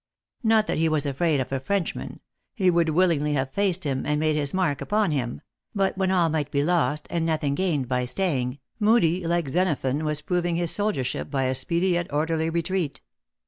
Not that he was afraid of a Frenchman he would willingly have faced him, and made his mark upon him but when all might be lost, and nothing gained by stay ing, Moodie, like Xenophon, was proving his soldier ship by a speedy, yet orderly retreat.